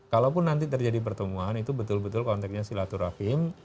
kalaupun nanti terjadi pertemuan itu betul betul konteknya silaturahim